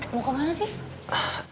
mau kemana sih